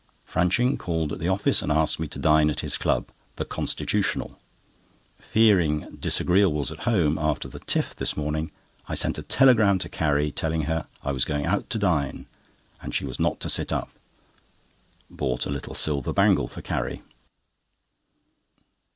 Franching called at office and asked me to dine at his club, "The Constitutional." Fearing disagreeables at home after the "tiff" this morning, I sent a telegram to Carrie, telling her I was going out to dine and she was not to sit up. Bought a little silver bangle for Carrie.